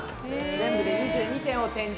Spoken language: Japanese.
全部で２２点を展示。